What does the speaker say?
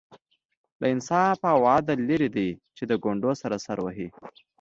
له انصاف او عدل لرې دی چې د کونډو سر سر وهي.